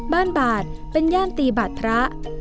บ้านบาดเป็นย่านตีบาดพระ